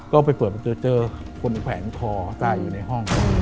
ก็ไปเปิดเจอคนแขวนคอตายอยู่ในห้อง